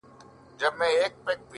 • ته به مي لوټه د صحرا بولې ,